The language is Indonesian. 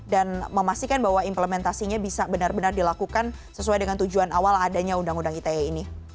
dan memastikan bahwa implementasinya bisa benar benar dilakukan sesuai dengan tujuan awal adanya undang undang ite ini